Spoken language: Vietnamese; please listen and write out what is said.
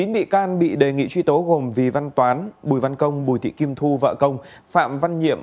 chín bị can bị đề nghị truy tố gồm vy văn toán bùi văn công bùi thị kim thu vợ công phạm văn nhiệm